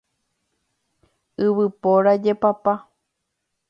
Yvypóra jepapa.